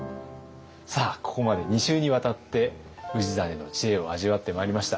さあここまで２週にわたって氏真の知恵を味わってまいりました。